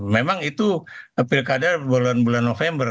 memang itu pilkada bulan bulan november